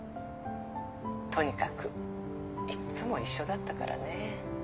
とにかくいっつも一緒だったからね。